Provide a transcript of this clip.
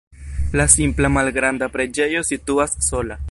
La simpla malgranda preĝejo situas sola.